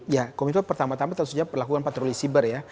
ya komitmen pertama tama tentu saja perlakuan patroli siber ya